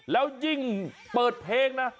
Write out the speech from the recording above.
แล้วยิ่งเปิดเพลงนะ